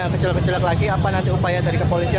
kecelak kecelak lagi apa nanti upaya dari kepolisian